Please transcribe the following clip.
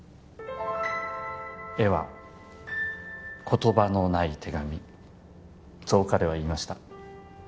絵は言葉のない手紙そう彼は言いました